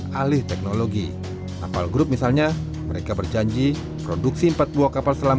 kepala selam kepala selam kepala selam kepala selam kepala selam